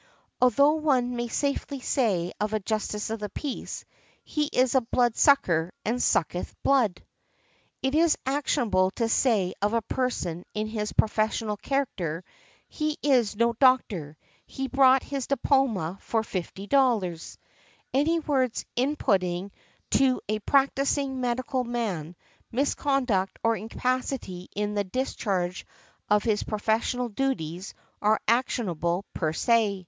Although one may safely say of a Justice of the Peace, "He is a blood sucker, and sucketh blood." |131| It is actionable to say of a person in his professional character, "He is no doctor; he bought his diploma for $50" . Any words imputing to a practising medical man, misconduct or incapacity in the discharge of his professional duties, are actionable per se.